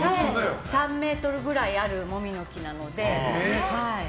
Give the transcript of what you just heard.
３ｍくらいあるモミの木なので。